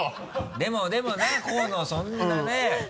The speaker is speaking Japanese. でもでもね河野そんなね。